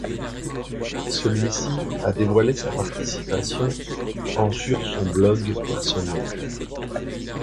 Celui-ci a dévoilé sa participation en sur son blog personnel.